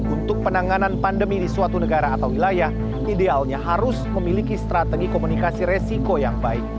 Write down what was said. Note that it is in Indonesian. untuk penanganan pandemi di suatu negara atau wilayah idealnya harus memiliki strategi komunikasi resiko yang baik